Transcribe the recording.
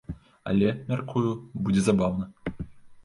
Але, мяркую, будзе забаўна.